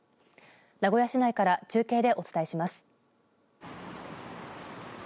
名古屋市内から中継でお伝えします。